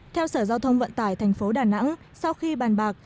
theo sở giao thông vận tải tp đà nẵng sau khi bàn bạc